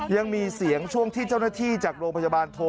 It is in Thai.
ยังมีเสียงช่วงที่เจ้าหน้าที่จากโรงพยาบาลโทร